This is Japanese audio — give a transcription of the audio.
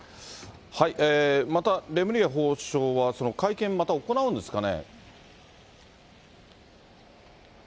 またレムリヤ法相は会見、また行うんですかね。